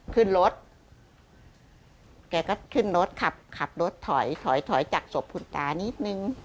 เขาก็ขึ้นรถขับรถถอยถอยจากศพคุณตานิดนึง